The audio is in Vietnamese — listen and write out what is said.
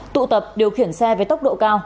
tụ tập điều khiển xe với tốc độ cao